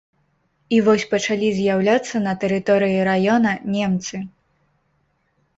І вось пачалі з'яўляцца на тэрыторыі раёна немцы.